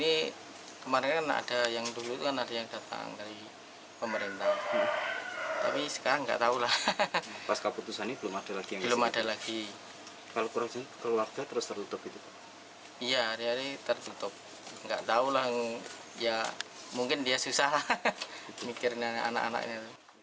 iya hari hari tertutup nggak tahu lah ya mungkin dia susah mikirin anak anaknya